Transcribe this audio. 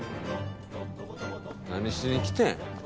何しに来てん？